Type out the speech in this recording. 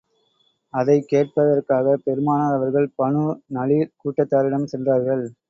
அதைக் கேட்பதற்காகப் பெருமானார் அவர்கள், பனூ நலீர் கூட்டத்தாரிடம் சென்றார்கள்.